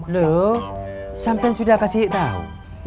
lho sampen sudah kasih tau